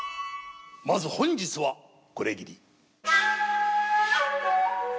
まず本日はこれぎり。